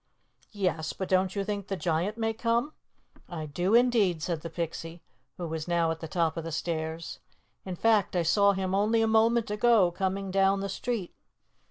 "Yes, but don't you think the Giant may come?" "I do, indeed," said the Pixie, who was now at the top of the stairs. "In fact, I saw him only a moment ago coming down the street."